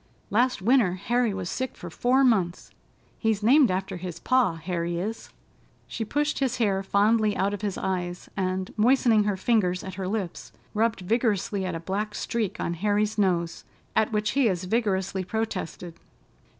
Last winter Harry was sick for four months—he's named after his pa, Harry is." She pushed his hair fondly out of his eyes, and, moistening her fingers at her lips, rubbed vigorously at a black streak on Harry's nose, at which he as vigorously protested.